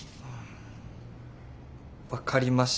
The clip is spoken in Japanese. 分かりました。